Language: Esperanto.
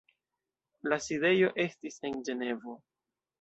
La sidejo estis en Ĝenevo.